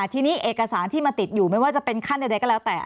ทีนี้เอกสารที่มันติดอยู่ไม่ว่าจะเป็นขั้นใดก็แล้วแต่